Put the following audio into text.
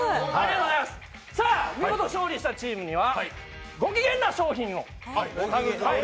見事勝利したチームにはご機嫌な商品を。